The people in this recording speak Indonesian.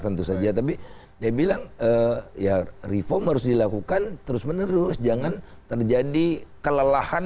tentu saja tapi dia bilang ya reform harus dilakukan terus menerus jangan terjadi kelelahan